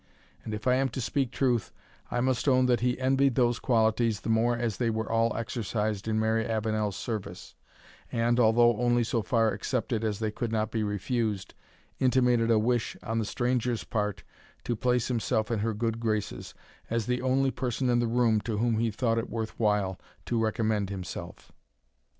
And if I am to speak truth, I must own that he envied those qualities the more as they were all exercised in Mary Avenel's service, and, although only so far accepted as they could not be refused, intimated a wish on the stranger's part to place himself in her good graces, as the only person in the room to whom he thought it worth while to recommend himself.